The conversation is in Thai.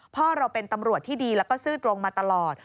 พ่อเราเป็นตำรวจที่ดีแล้วก็ซื่อตรงมาตลอด